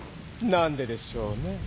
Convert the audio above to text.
なんででしょうね？